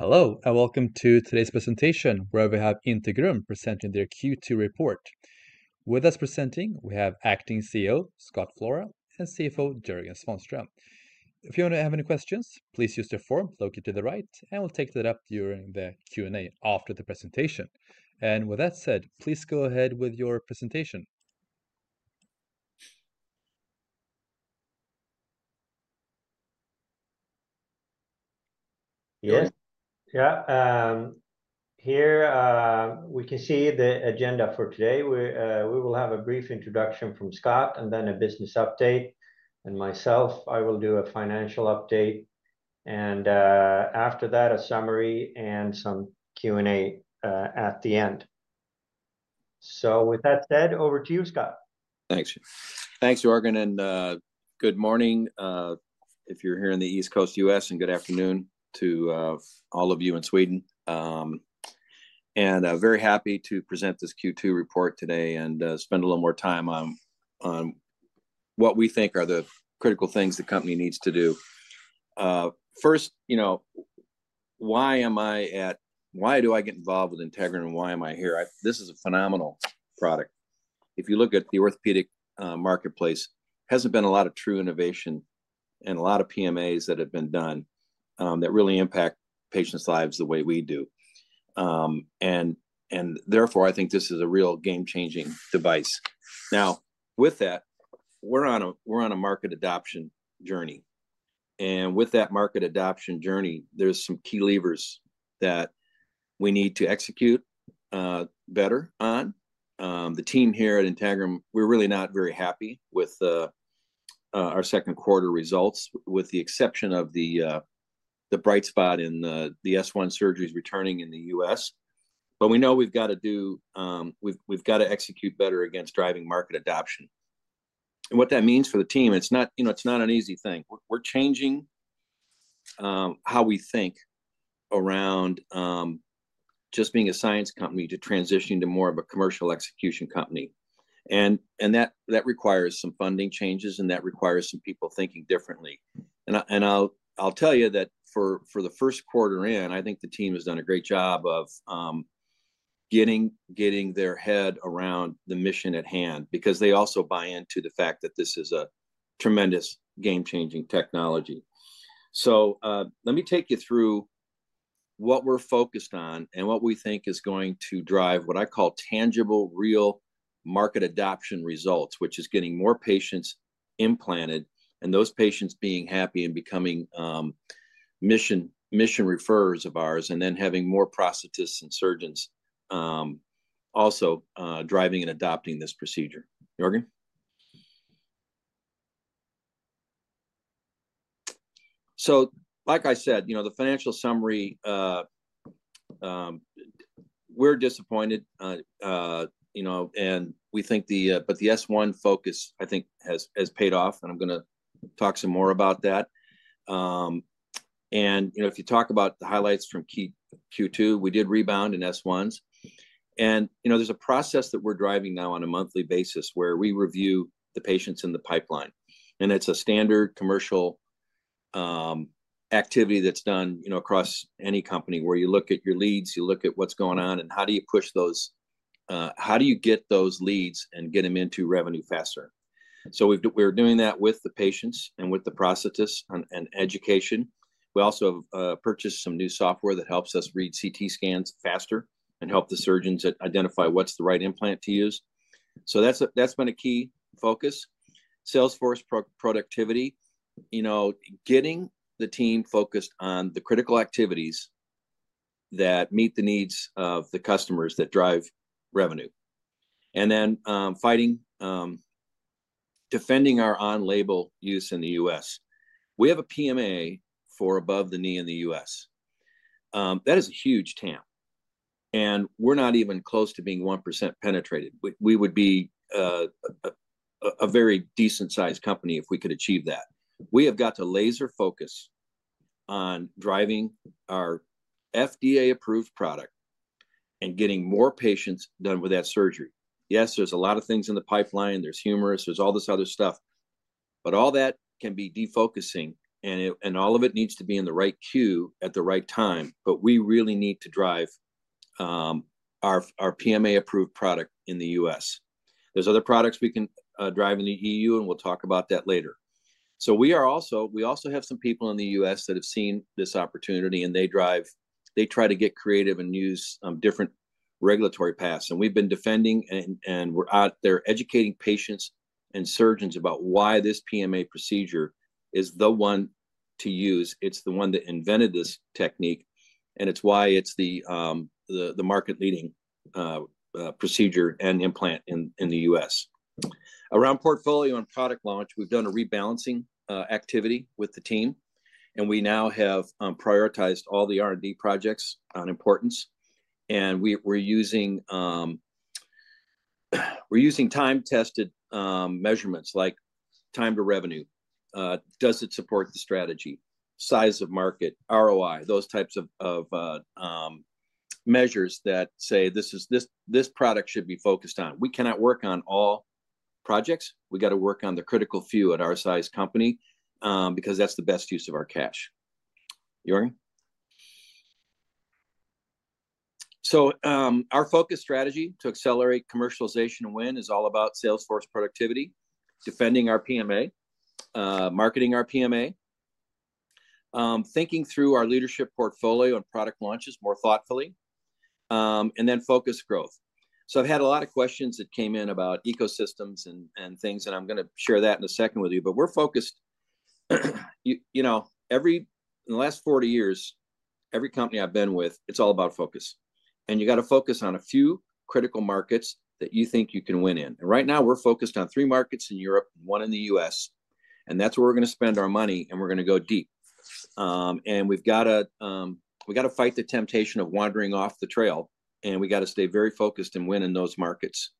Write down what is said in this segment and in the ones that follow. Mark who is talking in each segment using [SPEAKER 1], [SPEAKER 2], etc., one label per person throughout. [SPEAKER 1] Hello, and welcome to today's presentation, where we have Integrum presenting their Q2 report. With us presenting, we have Acting CEO, Scott Flora, and CFO, Jörgen Svanström. If you want to have any questions, please use the form located to the right, and we'll take that up during the Q&A after the presentation, and with that said, please go ahead with your presentation.
[SPEAKER 2] Yes. Yeah. Here, we can see the agenda for today. We will have a brief introduction from Scott and then a business update, and myself, I will do a financial update, and after that, a summary and some Q&A at the end, so with that said, over to you, Scott.
[SPEAKER 3] Thanks. Thanks, Jörgen. Good morning. If you're here in the East Coast U.S., and good afternoon to all of you in Sweden. Very happy to present this Q2 report today and spend a little more time on what we think are the critical things the company needs to do. First, why am I at, why do I get involved with Integrum, and why am I here? This is a phenomenal product. If you look at the orthopedic marketplace, there hasn't been a lot of true innovation and a lot of PMAs that have been done that really impact patients' lives the way we do. Therefore, I think this is a real game-changing device. Now, with that, we're on a market adoption journey. With that market adoption journey, there are some key levers that we need to execute better on. The team here at Integrum, we're really not very happy with our second quarter results, with the exception of the bright spot in the S1 surgeries returning in the U.S., but we know we've got to execute better against driving market adoption, and what that means for the team, it's not an easy thing. We're changing how we think around just being a science company to transitioning to more of a commercial execution company, and that requires some funding changes, and that requires some people thinking differently, and I'll tell you that for the first quarter in, I think the team has done a great job of getting their head around the mission at hand, because they also buy into the fact that this is a tremendous game-changing technology. So let me take you through what we're focused on and what we think is going to drive what I call tangible, real market adoption results, which is getting more patients implanted and those patients being happy and becoming mission referrers of ours, and then having more prosthetists and surgeons also driving and adopting this procedure. Jörgen? So like I said, the financial summary, we're disappointed, and we think the, but the S1 focus, I think, has paid off. And I'm going to talk some more about that. And if you talk about the highlights from Q2, we did rebound in S1s. And there's a process that we're driving now on a monthly basis where we review the patients in the pipeline. It's a standard commercial activity that's done across any company where you look at your leads, you look at what's going on, and how do you push those, how do you get those leads and get them into revenue faster? We're doing that with the patients and with the prosthetists and education. We also have purchased some new software that helps us read CT scans faster and help the surgeons identify what's the right implant to use. That's been a key focus. Salesforce productivity, getting the team focused on the critical activities that meet the needs of the customers that drive revenue. Then defending our on-label use in the U.S. We have a PMA for above the knee in the U.S. That is a huge TAM. We're not even close to being 1% penetrated. We would be a very decent-sized company if we could achieve that. We have got to laser focus on driving our FDA-approved product and getting more patients done with that surgery. Yes, there's a lot of things in the pipeline. There's humerus. There's all this other stuff. But all that can be defocusing, and all of it needs to be in the right queue at the right time. But we really need to drive our PMA-approved product in the U.S. There's other products we can drive in the EU, and we'll talk about that later. So we also have some people in the U.S. that have seen this opportunity, and they try to get creative and use different regulatory paths. And we've been defending, and they're educating patients and surgeons about why this PMA procedure is the one to use. It's the one that invented this technique, and it's why it's the market-leading procedure and implant in the U.S. Around portfolio and product launch, we've done a rebalancing activity with the team. And we now have prioritized all the R&D projects on importance. And we're using time-tested measurements like time to revenue. Does it support the strategy? Size of market, ROI, those types of measures that say, "This product should be focused on." We cannot work on all projects. We got to work on the critical few at our size company because that's the best use of our cash. Jörgen? So our focus strategy to accelerate commercialization and win is all about salesforce productivity, defending our PMA, marketing our PMA, thinking through our leadership portfolio and product launches more thoughtfully, and then focus growth. So I've had a lot of questions that came in about ecosystems and things, and I'm going to share that in a second with you. But we're focused. In the last 40 years, every company I've been with, it's all about focus. And you got to focus on a few critical markets that you think you can win in. And right now, we're focused on three markets in Europe and one in the U.S. And that's where we're going to spend our money, and we're going to go deep. And we've got to fight the temptation of wandering off the trail. And we got to stay very focused and win in those markets.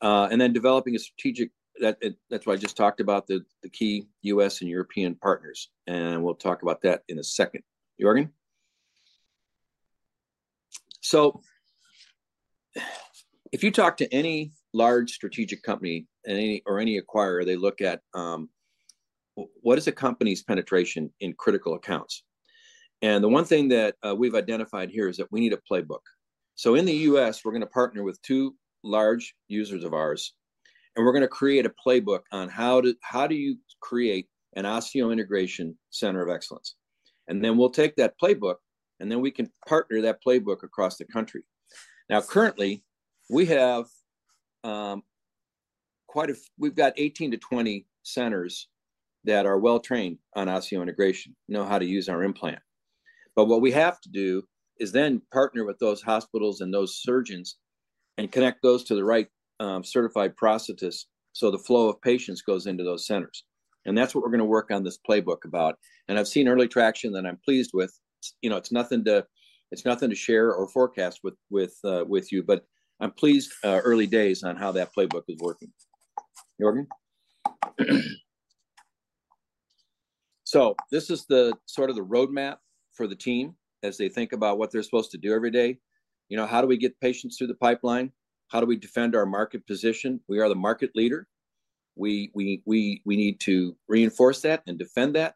[SPEAKER 3] And then developing a strategic, that's why I just talked about the key U.S. and European partners. And we'll talk about that in a second. Jörgen? So if you talk to any large strategic company or any acquirer, they look at what is a company's penetration in critical accounts. And the one thing that we've identified here is that we need a playbook. So in the U.S., we're going to partner with two large users of ours. And we're going to create a playbook on how do you create an osseointegration center of excellence. And then we'll take that playbook, and then we can partner that playbook across the country. Now, currently, we've got 18-20 centers that are well-trained on osseointegration, know how to use our implant. But what we have to do is then partner with those hospitals and those surgeons and connect those to the right certified prosthetists so the flow of patients goes into those centers. And that's what we're going to work on this playbook about. And I've seen early traction that I'm pleased with. It's nothing to share or forecast with you, but I'm pleased. Early days on how that playbook is working. Jörgen? This is sort of the roadmap for the team as they think about what they're supposed to do every day. How do we get patients through the pipeline? How do we defend our market position? We are the market leader. We need to reinforce that and defend that.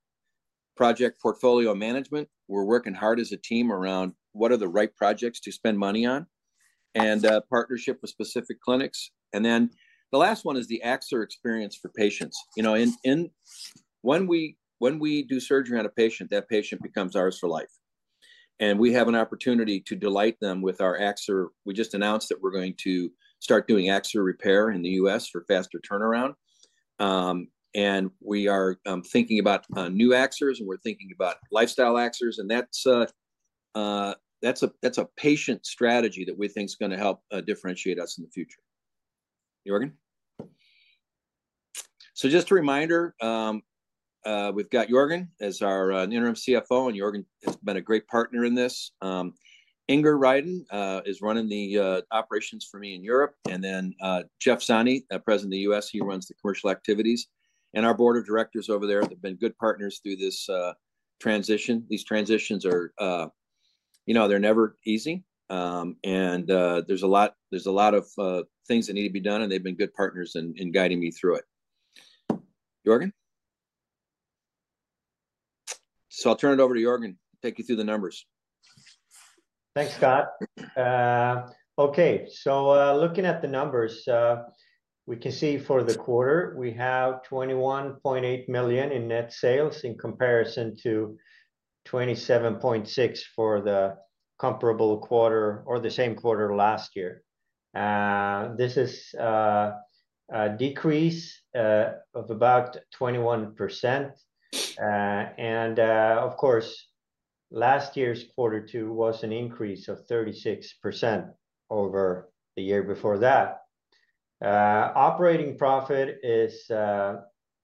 [SPEAKER 3] Project portfolio management. We're working hard as a team around what are the right projects to spend money on and partnership with specific clinics. And then the last one is the Axor experience for patients. When we do surgery on a patient, that patient becomes ours for life. And we have an opportunity to delight them with our Axor. We just announced that we're going to start doing Axor repair in the U.S. for faster turnaround. And we are thinking about new Axors, and we're thinking about lifestyle Axors. That's a patient strategy that we think is going to help differentiate us in the future. Jörgen? Just a reminder, we've got Jörgen as our Interim CFO, and Jörgen has been a great partner in this. Inger Rydin is running the operations for me in Europe. Then Jeff Zanni, the President of the U.S., he runs the commercial activities. Our board of directors over there, they've been good partners through these transitions. They're never easy. There's a lot of things that need to be done, and they've been good partners in guiding me through it. Jörgen? I'll turn it over to Jörgen to take you through the numbers.
[SPEAKER 2] Thanks, Scott. Okay. So looking at the numbers, we can see for the quarter, we have 21.8 million in net sales in comparison to 27.6 million for the comparable quarter or the same quarter last year. This is a decrease of about 21%. And of course, last year's quarter two was an increase of 36% over the year before that. Operating profit is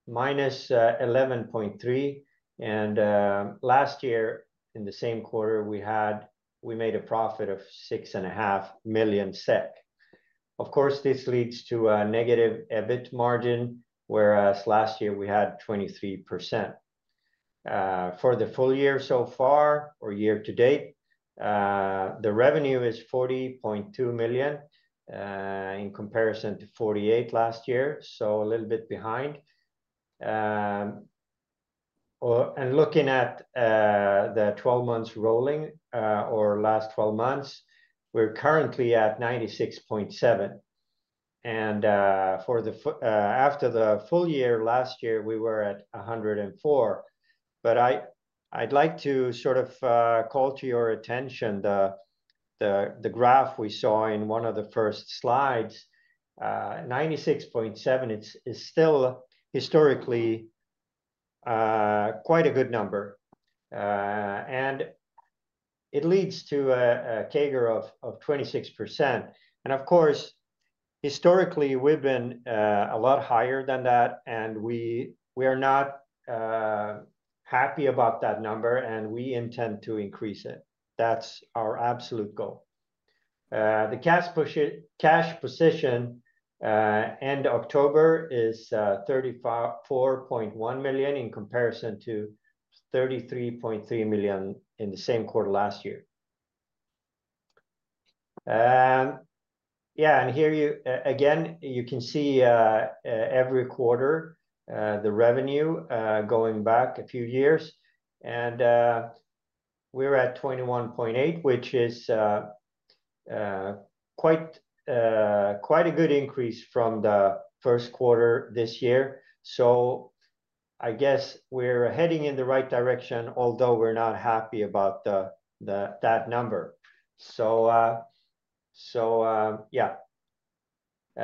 [SPEAKER 2] minus 11.3 million. And last year, in the same quarter, we made a profit of 6.5 million SEK. Of course, this leads to a negative EBIT margin, whereas last year we had 23%. For the full year so far, or year to date, the revenue is 40.2 million in comparison to 48 million last year, so a little bit behind. And looking at the 12 months rolling or last 12 months, we're currently at 96.7 million. And after the full year last year, we were at 104 million. But I'd like to sort of call to your attention the graph we saw in one of the first slides. 96.7 is still historically quite a good number. And it leads to a CAGR of 26%. And of course, historically, we've been a lot higher than that. And we are not happy about that number, and we intend to increase it. That's our absolute goal. The cash position end of October is 34.1 million in comparison to 33.3 million in the same quarter last year. Yeah. And here again, you can see every quarter the revenue going back a few years. And we're at 21.8, which is quite a good increase from the first quarter this year. So I guess we're heading in the right direction, although we're not happy about that number. So yeah.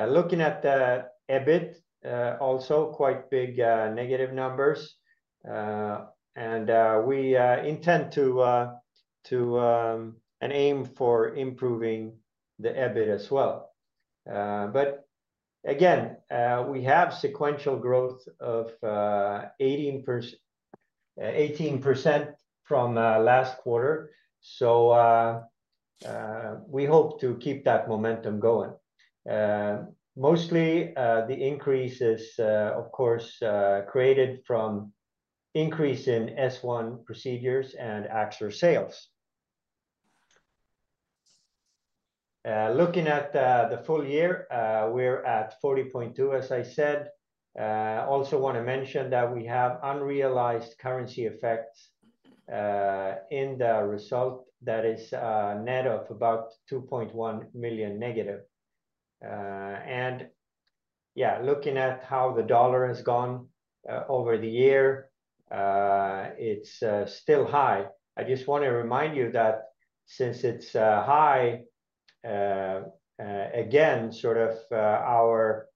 [SPEAKER 2] Looking at the EBIT, also quite big negative numbers. We intend to and aim for improving the EBIT as well. But again, we have sequential growth of 18% from last quarter. We hope to keep that momentum going. Mostly, the increase is, of course, created from increase in S1 procedures and Axor sales. Looking at the full year, we're at 40.2%, as I said. We also want to mention that we have unrealized currency effects in the result that is net of about 2.1 million negative. Yeah, looking at how the dollar has gone over the year, it's still high. I just want to remind you that since it's high, again, sort of our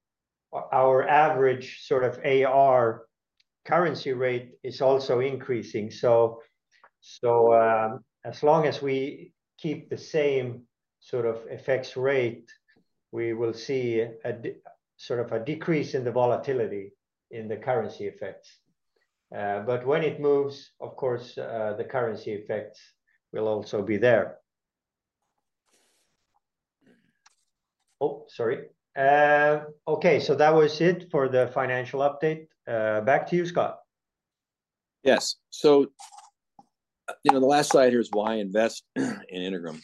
[SPEAKER 2] average sort of exchange rate is also increasing. So as long as we keep the same sort of exchange rate, we will see sort of a decrease in the volatility in the currency effects. But when it moves, of course, the currency effects will also be there. Oh, sorry. Okay. So that was it for the financial update. Back to you, Scott.
[SPEAKER 3] Yes, so the last slide here is why invest in Integrum.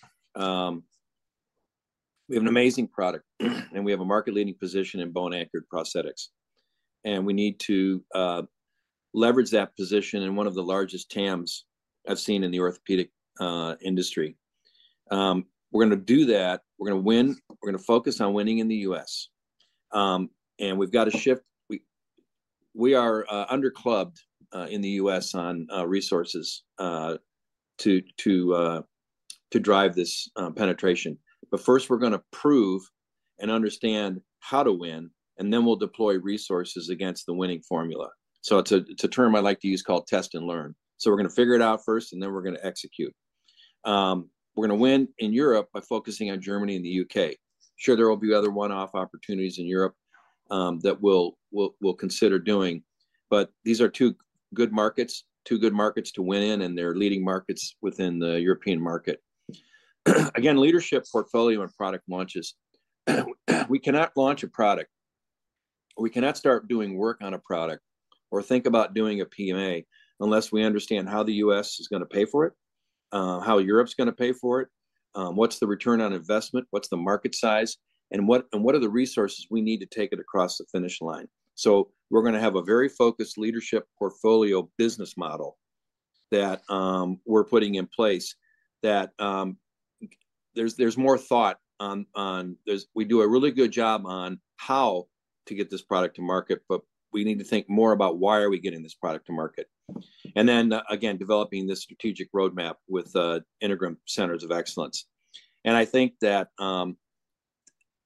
[SPEAKER 3] We have an amazing product, and we have a market-leading position in bone-anchored prosthetics, and we need to leverage that position in one of the largest TAMs I've seen in the orthopedic industry. We're going to do that. We're going to win. We're going to focus on winning in the U.S., and we've got to shift. We are under-clubbed in the U.S. on resources to drive this penetration, but first, we're going to prove and understand how to win, and then we'll deploy resources against the winning formula, so it's a term I like to use called test and learn, so we're going to figure it out first, and then we're going to execute. We're going to win in Europe by focusing on Germany and the U.K. Sure, there will be other one-off opportunities in Europe that we'll consider doing. But these are two good markets, two good markets to win in, and they're leading markets within the European market. Again, leadership portfolio and product launches. We cannot launch a product. We cannot start doing work on a product or think about doing a PMA unless we understand how the U.S. is going to pay for it, how Europe's going to pay for it, what's the return on investment, what's the market size, and what are the resources we need to take it across the finish line. We're going to have a very focused leadership portfolio business model that we're putting in place, that there's more thought on. We do a really good job on how to get this product to market, but we need to think more about why are we getting this product to market. And then again, developing this strategic roadmap with Integrum Centers of Excellence. I think that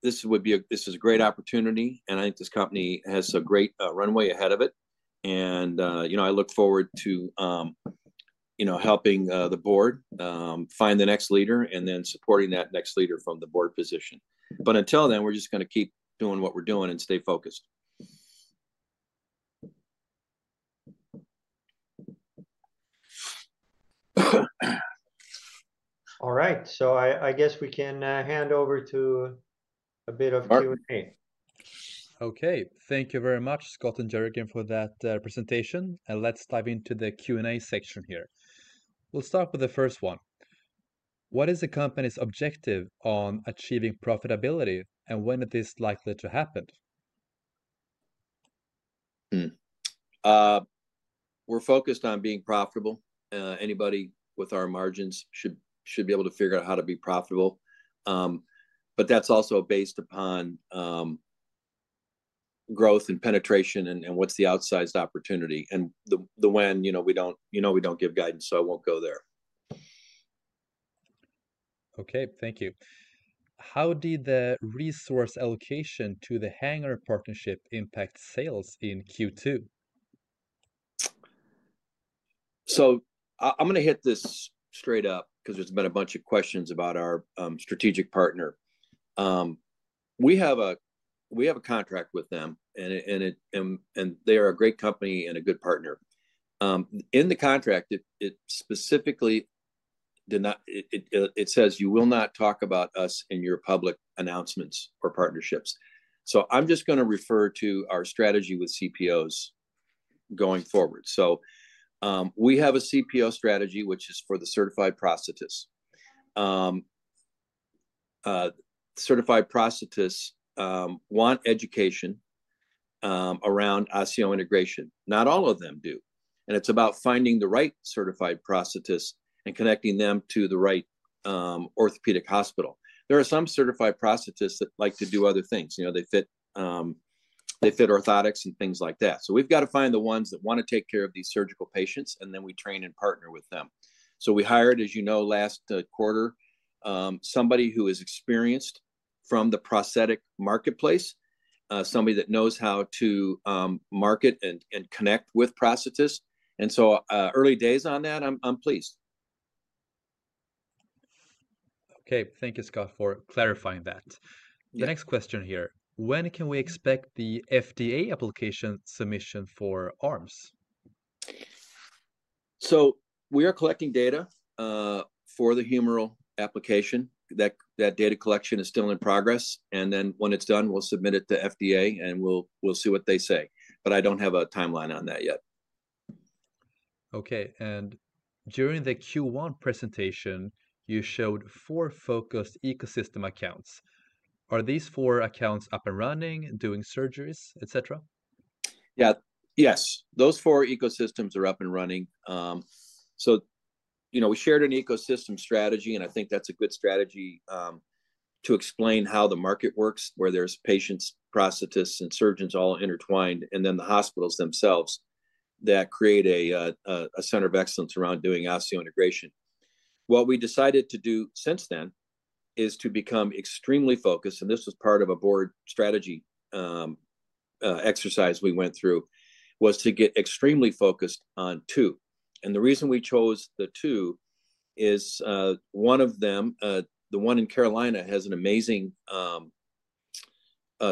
[SPEAKER 3] this is a great opportunity, and I think this company has a great runway ahead of it. I look forward to helping the board find the next leader and then supporting that next leader from the board position. But until then, we're just going to keep doing what we're doing and stay focused.
[SPEAKER 2] All right. So I guess we can hand over to a bit of Q&A.
[SPEAKER 1] Okay. Thank you very much, Scott and Jörgen, for that presentation. Let's dive into the Q&A section here. We'll start with the first one. What is the company's objective on achieving profitability, and when is this likely to happen?
[SPEAKER 3] We're focused on being profitable. Anybody with our margins should be able to figure out how to be profitable. But that's also based upon growth and penetration and what's the outsized opportunity, and the when, we don't give guidance, so I won't go there.
[SPEAKER 1] Okay. Thank you. How did the resource allocation to the Hanger Partnership impact sales in Q2?
[SPEAKER 3] So I'm going to hit this straight up because there's been a bunch of questions about our strategic partner. We have a contract with them, and they are a great company and a good partner. In the contract, it specifically says, "You will not talk about us in your public announcements or partnerships." So I'm just going to refer to our strategy with CPOs going forward. So we have a CPO strategy, which is for the certified prosthetists. Certified prosthetists want education around osseointegration. Not all of them do. And it's about finding the right certified prosthetists and connecting them to the right orthopedic hospital. There are some certified prosthetists that like to do other things. They fit orthotics and things like that. So we've got to find the ones that want to take care of these surgical patients, and then we train and partner with them. So we hired, as you know, last quarter, somebody who is experienced from the prosthetic marketplace, somebody that knows how to market and connect with prosthetists, and so early days on that, I'm pleased.
[SPEAKER 1] Okay. Thank you, Scott, for clarifying that. The next question here. When can we expect the FDA application submission for arms?
[SPEAKER 3] We are collecting data for the humeral application. That data collection is still in progress. Then when it's done, we'll submit it to FDA, and we'll see what they say. I don't have a timeline on that yet.
[SPEAKER 1] Okay, and during the Q1 presentation, you showed four focused ecosystem accounts. Are these four accounts up and running, doing surgeries, etc.?
[SPEAKER 3] Yeah. Yes. Those four ecosystems are up and running. So we shared an ecosystem strategy, and I think that's a good strategy to explain how the market works, where there's patients, prosthetists, and surgeons all intertwined, and then the hospitals themselves that create a Center of Excellence around doing osseointegration. What we decided to do since then is to become extremely focused. And this was part of a board strategy exercise we went through, was to get extremely focused on two. And the reason we chose the two is one of them, the one in Carolina, has an amazing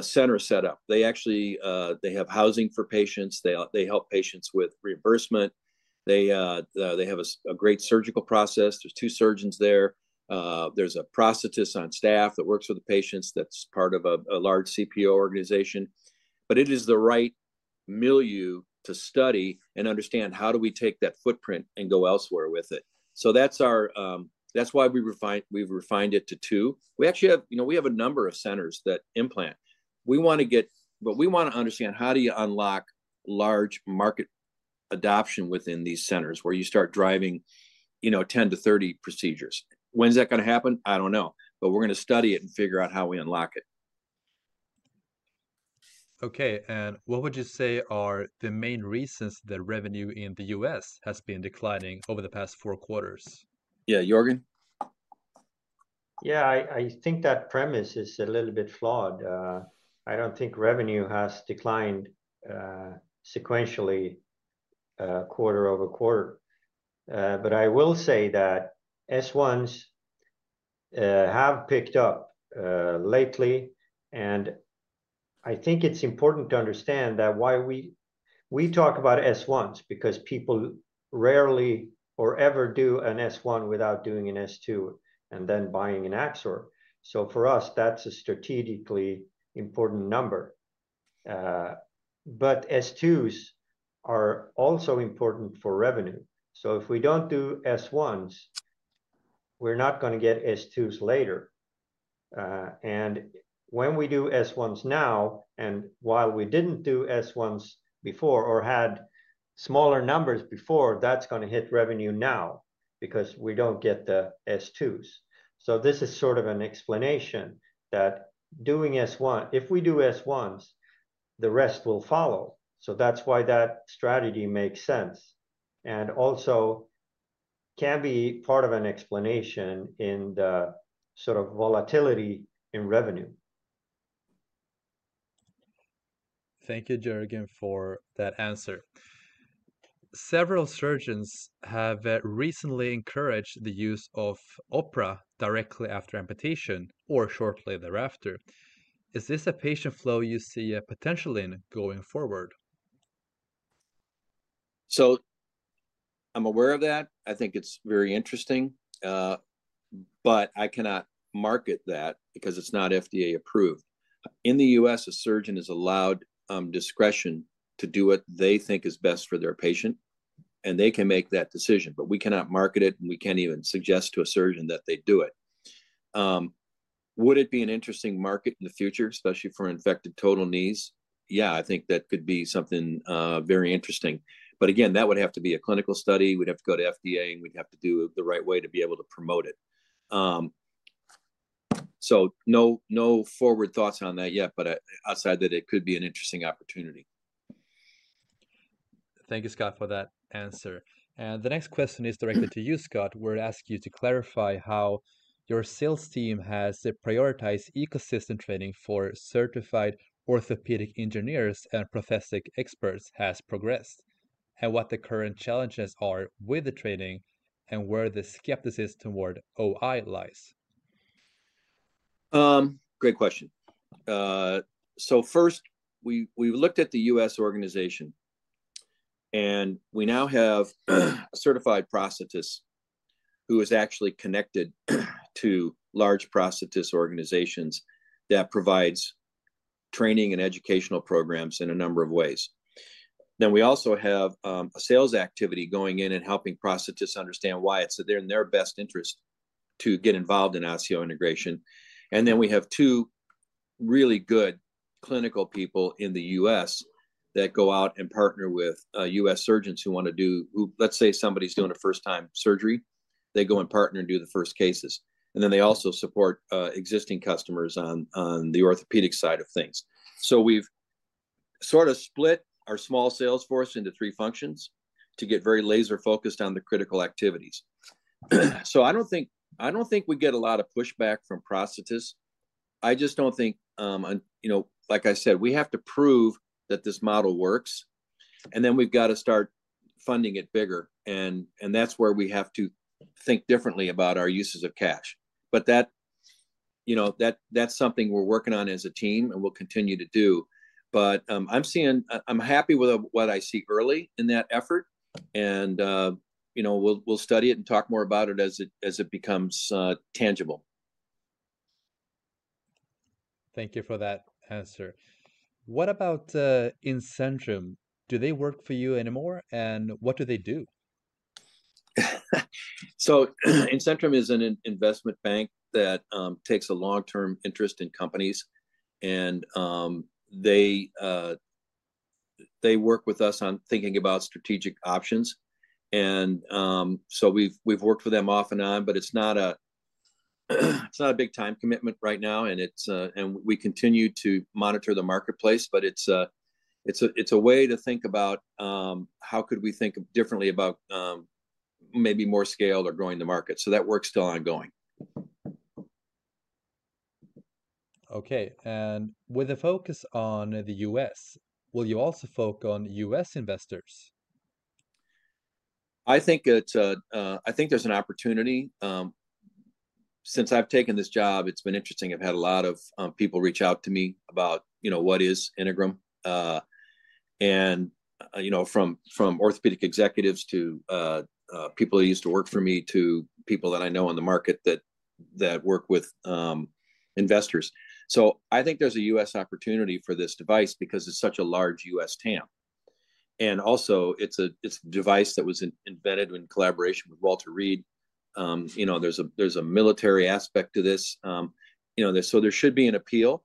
[SPEAKER 3] center setup. They have housing for patients. They help patients with reimbursement. They have a great surgical process. There's two surgeons there. There's a prosthetist on staff that works with the patients. That's part of a large CPO organization. But it is the right milieu to study and understand how do we take that footprint and go elsewhere with it, so that's why we've refined it to two. We actually have a number of centers that implant. We want to get what we want to understand, how do you unlock large market adoption within these centers where you start driving 10-30 procedures. When's that going to happen? I don't know, but we're going to study it and figure out how we unlock it.
[SPEAKER 1] Okay, and what would you say are the main reasons that revenue in the U.S. has been declining over the past four quarters?
[SPEAKER 3] Yeah. Jörgen?
[SPEAKER 2] Yeah. I think that premise is a little bit flawed. I don't think revenue has declined sequentially quarter over quarter, but I will say that S1s have picked up lately, and I think it's important to understand that's why we talk about S1s, because people rarely, if ever, do an S1 without doing an S2 and then buying an Axor, so for us, that's a strategically important number, but S2s are also important for revenue, so if we don't do S1s, we're not going to get S2s later, and when we do S1s now, and while we didn't do S1s before or had smaller numbers before, that's going to hit revenue now because we don't get the S2s, so this is sort of an explanation that doing S1, if we do S1s, the rest will follow. So that's why that strategy makes sense and also can be part of an explanation in the sort of volatility in revenue.
[SPEAKER 1] Thank you, Jörgen, for that answer. Several surgeons have recently encouraged the use of OPRA directly after amputation or shortly thereafter. Is this a patient flow you see a potential in going forward?
[SPEAKER 3] So I'm aware of that. I think it's very interesting. But I cannot market that because it's not FDA approved. In the U.S., a surgeon is allowed discretion to do what they think is best for their patient, and they can make that decision. But we cannot market it, and we can't even suggest to a surgeon that they do it. Would it be an interesting market in the future, especially for infected total knees? Yeah, I think that could be something very interesting. But again, that would have to be a clinical study. We'd have to go to FDA, and we'd have to do it the right way to be able to promote it. So no forward thoughts on that yet, but outside that, it could be an interesting opportunity.
[SPEAKER 1] Thank you, Scott, for that answer, and the next question is directed to you, Scott. We're asking you to clarify how your sales team has prioritized ecosystem training for certified orthopedic engineers and prosthetic experts, how that has progressed, and what the current challenges are with the training and where the skepticism toward OI lies.
[SPEAKER 3] Great question, so first, we've looked at the U.S. organization, and we now have a certified prosthetist who is actually connected to large prosthetist organizations that provides training and educational programs in a number of ways, then we also have a sales activity going in and helping prosthetists understand why it's in their best interest to get involved in osseointegration, and then we have two really good clinical people in the U.S. that go out and partner with U.S. surgeons who want to do, let's say somebody's doing a first-time surgery, they go and partner and do the first cases, and then they also support existing customers on the orthopedic side of things, so we've sort of split our small sales force into three functions to get very laser-focused on the critical activities, so I don't think we get a lot of pushback from prosthetists. I just don't think, like I said, we have to prove that this model works, and then we've got to start funding it bigger, and that's where we have to think differently about our uses of cash, but that's something we're working on as a team and we'll continue to do, but I'm happy with what I see early in that effort, and we'll study it and talk more about it as it becomes tangible.
[SPEAKER 1] Thank you for that answer. What about Incentrum? Do they work for you anymore, and what do they do?
[SPEAKER 3] So Incentrum is an investment bank that takes a long-term interest in companies. And they work with us on thinking about strategic options. And so we've worked with them off and on, but it's not a big time commitment right now. And we continue to monitor the marketplace, but it's a way to think about how could we think differently about maybe more scale or growing the market. So that work's still ongoing.
[SPEAKER 1] Okay. And with a focus on the U.S., will you also focus on U.S. investors?
[SPEAKER 3] I think there's an opportunity. Since I've taken this job, it's been interesting. I've had a lot of people reach out to me about what is Integrum. And from orthopedic executives to people that used to work for me to people that I know on the market that work with investors. So I think there's a U.S. opportunity for this device because it's such a large U.S. TAM. And also, it's a device that was invented in collaboration with Walter Reed. There's a military aspect to this. So there should be an appeal.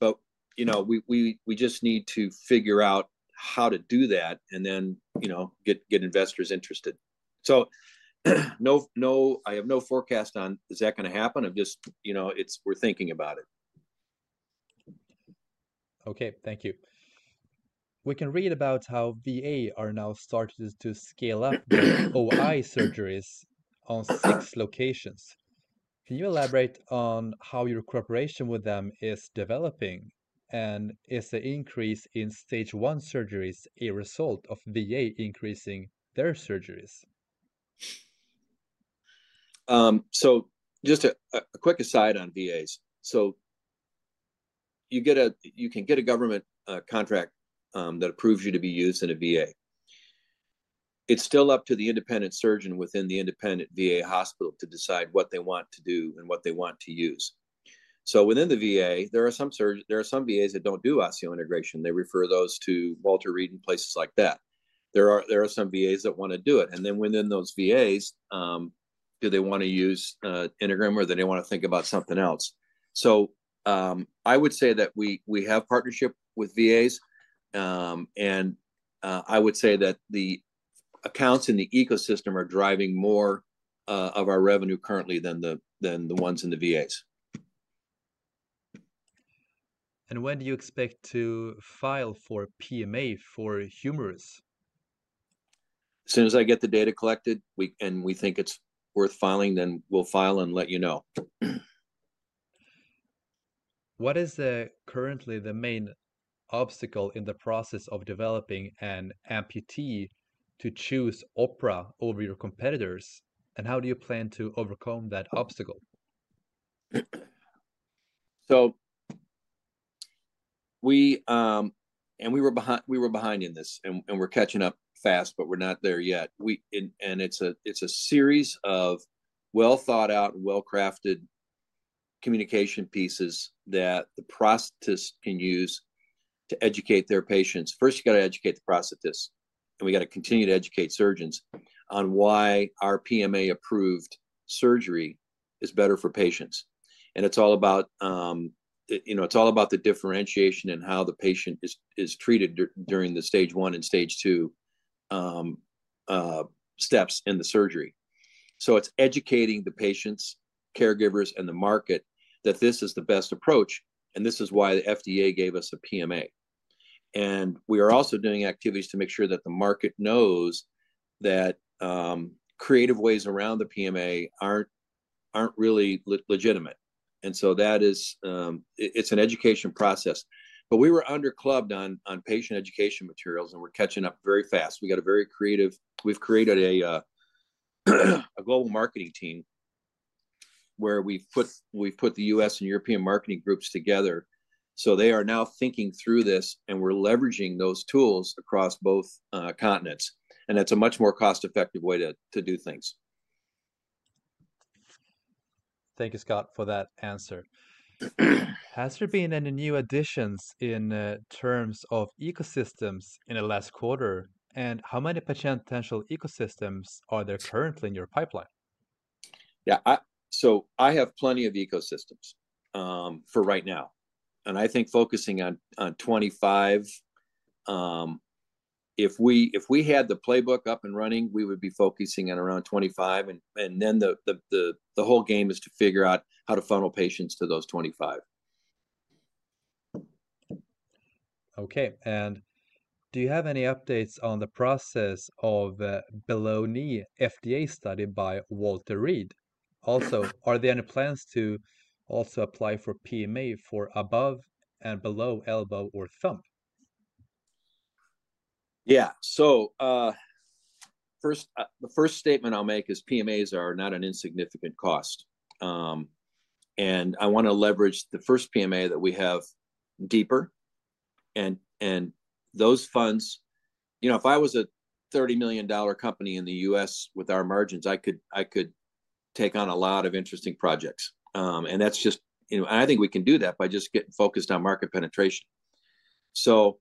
[SPEAKER 3] But we just need to figure out how to do that and then get investors interested. So I have no forecast on is that going to happen. We're thinking about it.
[SPEAKER 1] Okay. Thank you. We can read about how VA are now starting to scale up OI surgeries on six locations. Can you elaborate on how your cooperation with them is developing and is the increase in stage one surgeries a result of VA increasing their surgeries?
[SPEAKER 3] So just a quick aside on VAs. So you can get a government contract that approves you to be used in a VA. It's still up to the independent surgeon within the independent VA hospital to decide what they want to do and what they want to use. So within the VA, there are some VAs that don't do osseointegration. They refer those to Walter Reed and places like that. There are some VAs that want to do it. And then within those VAs, do they want to use Integrum or do they want to think about something else? So I would say that we have partnership with VAs. And I would say that the accounts in the ecosystem are driving more of our revenue currently than the ones in the VAs.
[SPEAKER 1] When do you expect to file for PMA for humerus?
[SPEAKER 3] As soon as I get the data collected and we think it's worth filing, then we'll file and let you know.
[SPEAKER 1] What is currently the main obstacle in the process of developing an amputee to choose OPRA over your competitors? And how do you plan to overcome that obstacle?
[SPEAKER 3] And we were behind in this, and we're catching up fast, but we're not there yet. And it's a series of well-thought-out, well-crafted communication pieces that the prosthetist can use to educate their patients. First, you got to educate the prosthetist. And we got to continue to educate surgeons on why our PMA-approved surgery is better for patients. And it's all about the differentiation and how the patient is treated during the stage one and stage two steps in the surgery. So it's educating the patients, caregivers, and the market that this is the best approach, and this is why the FDA gave us a PMA. And we are also doing activities to make sure that the market knows that creative ways around the PMA aren't really legitimate. And so it's an education process. But we were under-clubbed on patient education materials, and we're catching up very fast. We've created a global marketing team where we've put the U.S. and European marketing groups together. So they are now thinking through this, and we're leveraging those tools across both continents. And it's a much more cost-effective way to do things.
[SPEAKER 1] Thank you, Scott, for that answer. Has there been any new additions in terms of ecosystems in the last quarter? And how many potential ecosystems are there currently in your pipeline?
[SPEAKER 3] Yeah, so I have plenty of ecosystems for right now, and I think focusing on 25, if we had the playbook up and running, we would be focusing on around 25, and then the whole game is to figure out how to funnel patients to those 25.
[SPEAKER 1] Okay, and do you have any updates on the process of below-knee FDA study by Walter Reed? Also, are there any plans to also apply for PMA for above and below elbow or thumb?
[SPEAKER 3] Yeah. So the first statement I'll make is PMAs are not an insignificant cost. And I want to leverage the first PMA that we have deeper. And those funds, if I was a $30 million company in the U.S. with our margins, I could take on a lot of interesting projects. And I think we can do that by just getting focused on market penetration. So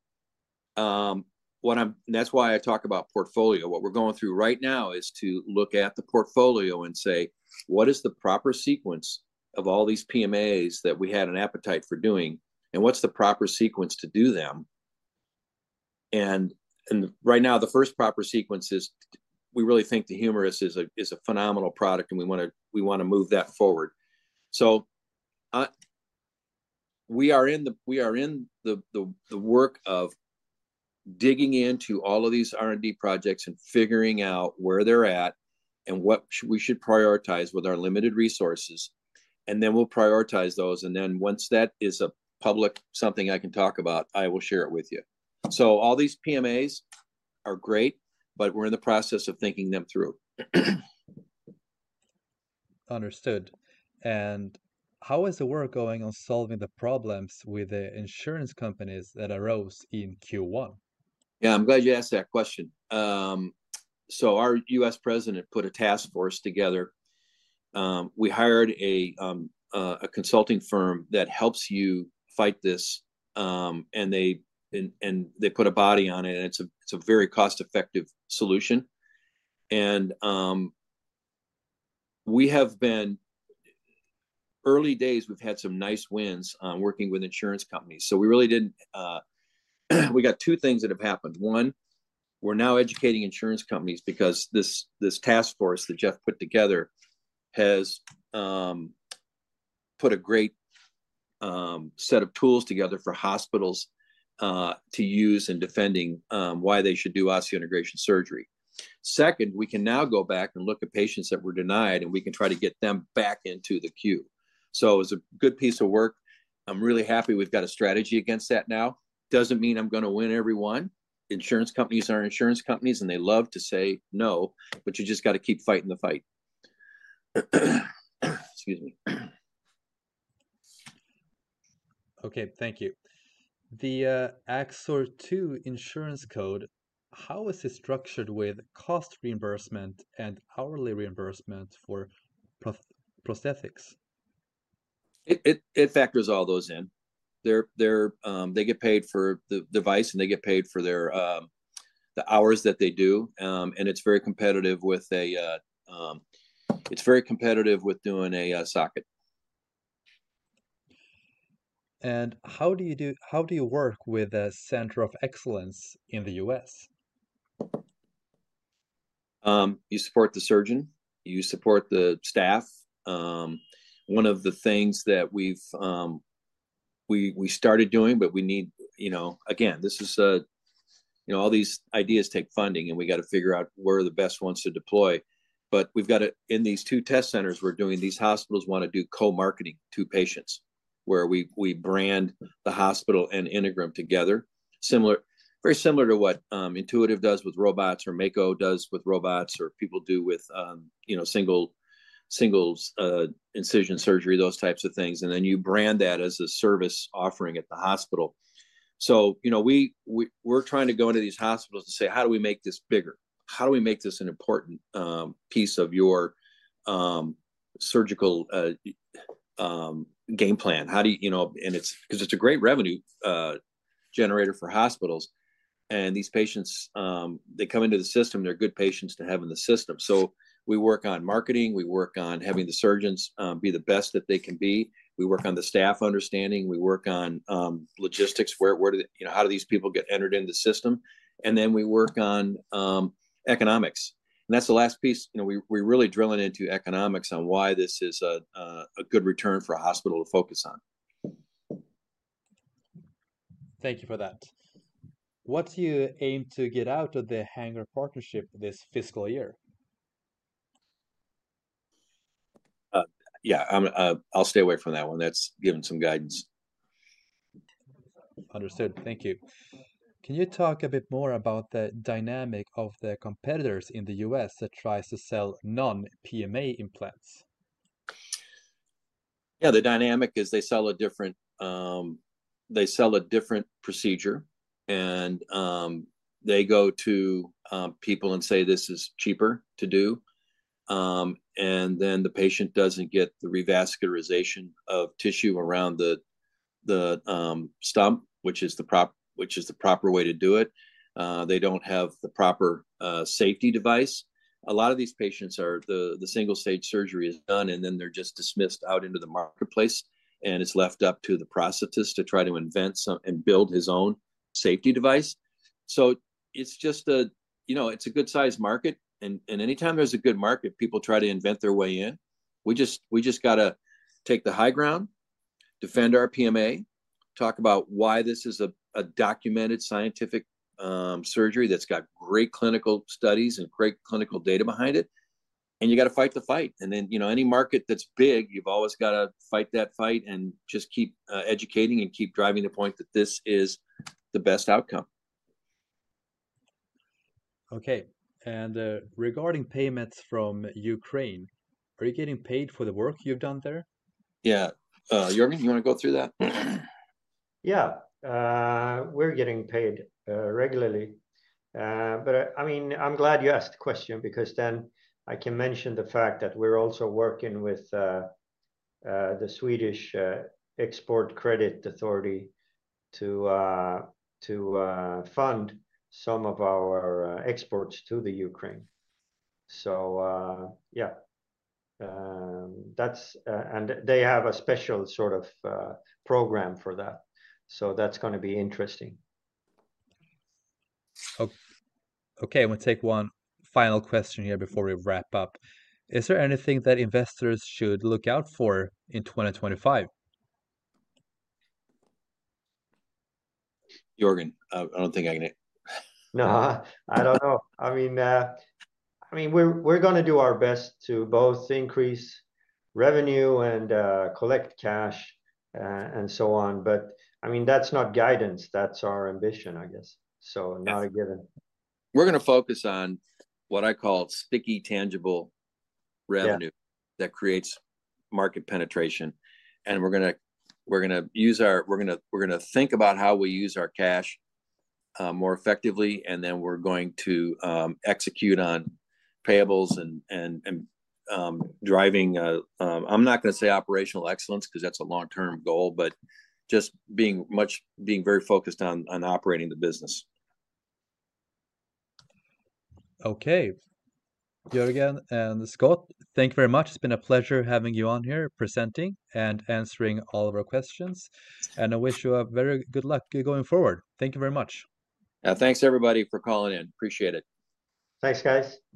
[SPEAKER 3] that's why I talk about portfolio. What we're going through right now is to look at the portfolio and say, "What is the proper sequence of all these PMAs that we had an appetite for doing, and what's the proper sequence to do them?" And right now, the first proper sequence is we really think the humerus is a phenomenal product, and we want to move that forward. So we are in the work of digging into all of these R&D projects and figuring out where they're at and what we should prioritize with our limited resources. And then we'll prioritize those. And then once that is a public something I can talk about, I will share it with you. So all these PMAs are great, but we're in the process of thinking them through.
[SPEAKER 1] Understood. And how is the work going on solving the problems with the insurance companies that arose in Q1?
[SPEAKER 3] Yeah, I'm glad you asked that question. So our U.S. President put a task force together. We hired a consulting firm that helps you fight this, and they put a body on it. And it's a very cost-effective solution. And we have been early days, we've had some nice wins working with insurance companies. So we really didn't we got two things that have happened. One, we're now educating insurance companies because this task force that Jeff put together has put a great set of tools together for hospitals to use in defending why they should do osseointegration surgery. Second, we can now go back and look at patients that were denied, and we can try to get them back into the queue. So it was a good piece of work. I'm really happy we've got a strategy against that now. Doesn't mean I'm going to win everyone. Insurance companies are insurance companies, and they love to say no, but you just got to keep fighting the fight. Excuse me.
[SPEAKER 1] Okay. Thank you. The Axor II insurance code, how is it structured with cost reimbursement and hourly reimbursement for prosthetics?
[SPEAKER 3] It factors all those in. They get paid for the device, and they get paid for the hours that they do, and it's very competitive with doing a socket.
[SPEAKER 1] How do you work with the Center of Excellence in the U.S.?
[SPEAKER 3] You support the surgeon. You support the staff. One of the things that we started doing, but we need again, this is all these ideas take funding, and we got to figure out where are the best ones to deploy. But in these two test centers we're doing, these hospitals want to do co-marketing to patients where we brand the hospital and Integrum together, very similar to what Intuitive does with robots or Mako does with robots or people do with single incision surgery, those types of things, and then you brand that as a service offering at the hospital, so we're trying to go into these hospitals and say, "How do we make this bigger? How do we make this an important piece of your surgical game plan?" Because it's a great revenue generator for hospitals, and these patients, they come into the system. They're good patients to have in the system. So we work on marketing. We work on having the surgeons be the best that they can be. We work on the staff understanding. We work on logistics. How do these people get entered into the system? And then we work on economics. And that's the last piece. We're really drilling into economics on why this is a good return for a hospital to focus on.
[SPEAKER 1] Thank you for that. What do you aim to get out of the Hanger Partnership this fiscal year?
[SPEAKER 3] Yeah, I'll stay away from that one. That's giving some guidance.
[SPEAKER 1] Understood. Thank you. Can you talk a bit more about the dynamic of the competitors in the U.S. that tries to sell non-PMA implants?
[SPEAKER 3] Yeah. The dynamic is they sell a different procedure. And they go to people and say, "This is cheaper to do." And then the patient doesn't get the revascularization of tissue around the stump, which is the proper way to do it. They don't have the proper safety device. A lot of these patients are. The single-stage surgery is done, and then they're just dismissed out into the marketplace. And it's left up to the prosthetist to try to invent and build his own safety device. So it's just a good-sized market. And anytime there's a good market, people try to invent their way in. We just got to take the high ground, defend our PMA, talk about why this is a documented scientific surgery that's got great clinical studies and great clinical data behind it. And you got to fight the fight. And then any market that's big, you've always got to fight that fight and just keep educating and keep driving the point that this is the best outcome.
[SPEAKER 1] Okay, and regarding payments from Ukraine, are you getting paid for the work you've done there?
[SPEAKER 3] Yeah. Jörgen, you want to go through that?
[SPEAKER 2] Yeah. We're getting paid regularly. But I mean, I'm glad you asked the question because then I can mention the fact that we're also working with the Swedish Export Credit Agency to fund some of our exports to Ukraine. So yeah. And they have a special sort of program for that. So that's going to be interesting.
[SPEAKER 1] Okay. I'm going to take one final question here before we wrap up. Is there anything that investors should look out for in 2025?
[SPEAKER 3] Jörgen, I don't think I can answer.
[SPEAKER 2] No. I don't know. I mean, we're going to do our best to both increase revenue and collect cash and so on. But I mean, that's not guidance. That's our ambition, I guess. So not a given.
[SPEAKER 3] We're going to focus on what I call sticky, tangible revenue that creates market penetration. And we're going to think about how we use our cash more effectively. And then we're going to execute on payables and driving. I'm not going to say operational excellence because that's a long-term goal, but just being very focused on operating the business.
[SPEAKER 1] Okay. Jörgen and Scott, thank you very much. It's been a pleasure having you on here presenting and answering all of our questions. And I wish you a very good luck going forward. Thank you very much.
[SPEAKER 3] Yeah. Thanks, everybody, for calling in. Appreciate it.
[SPEAKER 2] Thanks, guys.